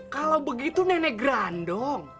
kalau begitu nenek grandong